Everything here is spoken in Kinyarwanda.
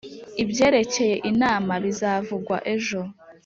Ibyerekeye inama bizavugwa ejo.